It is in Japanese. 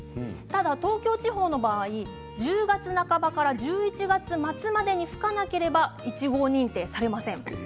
ただ東京地方の場合１０月半ばから１１月末までに吹かなければ１号認定されません。